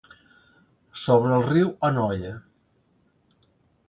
Sobre el riu Anoia.